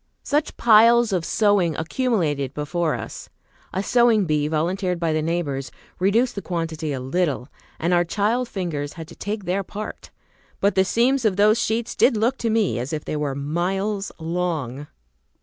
Such piles of sewing accumulated before us! A sewing bee, volunteered by the neighbors, reduced the quantity a little, and our child fingers had to take their part. But the seams of those sheets did look to me as if they were miles long!